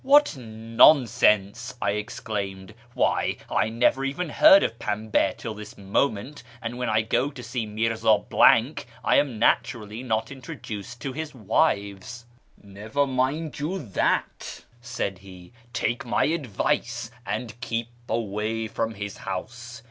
" What nonsense !" I exclaimed, " why, I never even heard of Pamba till this moment, and when I go to see Mirza I am naturally not introduced to his wives." " Never you mind that," said he ;" take my advice and keep away from his house.